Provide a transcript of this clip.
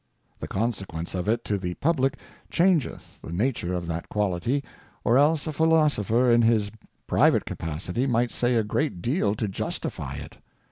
The Consequence of it to the Publick changeth the Nature of that Quality, or else a Philosopher in his private Capacity might say a great deal to justify it.